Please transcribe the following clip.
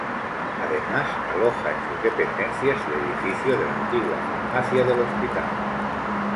Además, aloja en sus dependencias el edificio de la antigua farmacia del hospital.